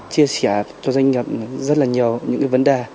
chia sẻ cho doanh nghiệp rất là nhiều những cái vấn đề